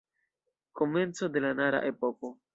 Komenco de la Nara-epoko.